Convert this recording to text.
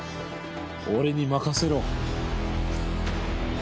俺に任せろ！